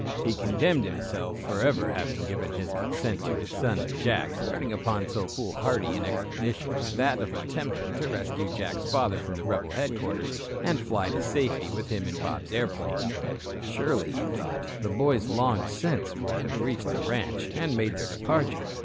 He condemned himself for ever having given his consent to his son and Jack starting upon so foolhardy an expedition as that of attempting to rescue Jack's father from the rebel headquarters and fly to safety with him in Bob's airplane. Surely, he thought, the boys long since would have reached the ranch and made their departure.